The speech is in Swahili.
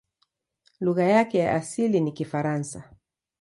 Lugha yake ya asili ni Kifaransa.